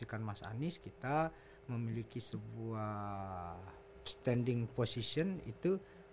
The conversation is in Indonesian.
dengan mas anies kita memiliki sebuah standing position itu